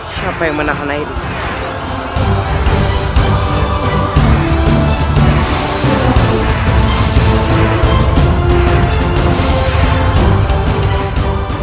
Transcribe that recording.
siapa yang menahan aireen